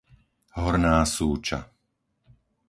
Horná Súča